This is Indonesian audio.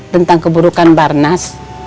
tentang keburukan barnas